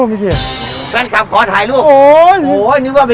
เมื่อกี้แฟนครับขอถ่ายรูปโอ้โหโหนึกว่าจะจุ่ม